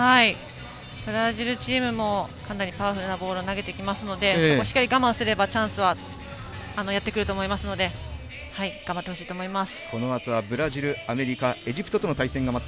ブラジルチームもかなりパワフルなボールを投げてきますのでそこをしっかり我慢すればチャンスがやってくると思いますので頑張ってほしいです。